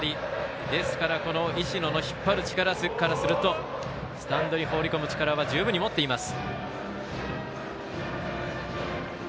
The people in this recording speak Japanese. ですから石野の引っ張る力からするとスタンドに放り込む力は十分に持っています。